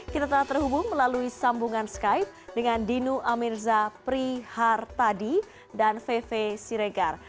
kita telah terhubung melalui sambungan skype dengan dino amirza prihartadi dan veve siregar